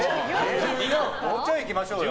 もうちょいいきましょうよ。